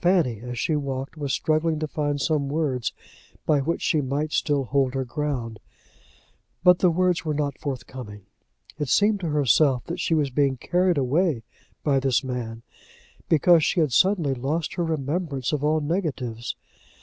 Fanny, as she walked, was struggling to find some words by which she might still hold her ground, but the words were not forthcoming. It seemed to herself that she was being carried away by this man, because she had suddenly lost her remembrance of all negatives.